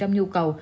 sáu mươi nhu cầu